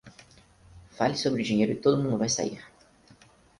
Fale sobre dinheiro e todo mundo vai sair.